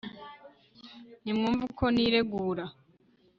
nimwumve uko niregura